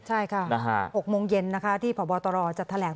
ใช่ค่ะ๖โมงเย็นนะคะที่พบตรจะแถลง